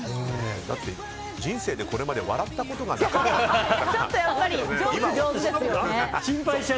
人生で、これまで笑ったことがなかったって。